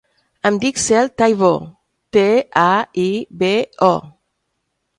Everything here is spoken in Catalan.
Em dic Cel Taibo: te, a, i, be, o.